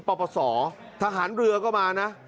ปปศทหารเรือก็มานะ